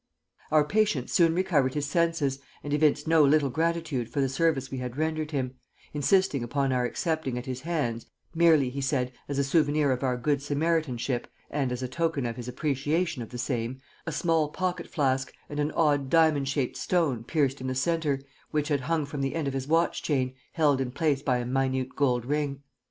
Our patient soon recovered his senses and evinced no little gratitude for the service we had rendered him, insisting upon our accepting at his hands, merely, he said, as a souvenir of our good Samaritanship, and as a token of his appreciation of the same, a small pocket flask and an odd diamond shaped stone pierced in the centre, which had hung from the end of his watch chain, held in place by a minute gold ring.